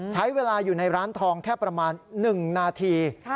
ใช้เวลาอยู่ในร้านทองแค่ประมาณ๑นาที